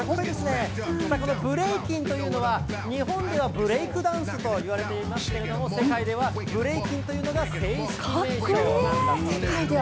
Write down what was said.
このブレイキンというのは、日本ではブレイクダンスと言われていますけれども、世界ではブレイキンというのが正式名称なんだそうですね。